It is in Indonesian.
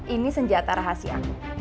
ini senjata rahasia